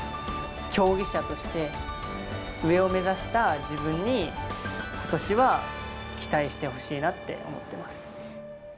競技者として、上を目指した自分に、ことしは期待してほしいなって思ってます。